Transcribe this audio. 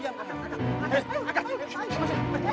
jam satu inal kemana ya kok belum pulang dia